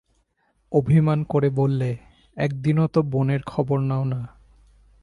অভিমান করে বললে, একদিনও তো বোনের খবর নাও না।